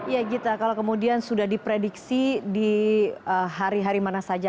ya gita kalau kemudian sudah diprediksi di hari hari mana saja